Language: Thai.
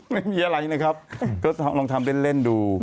ไม่มีอะไรนะครับก็ลองทำเล่นดู